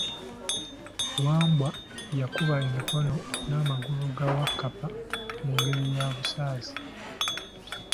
Wambwa yakuba emikono na magulu ga Wakkapa mu ngeri ya busaze.